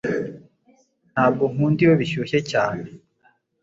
Ntabwo nkunda iyo bishyushye cyane